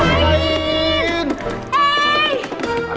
ada orang di luar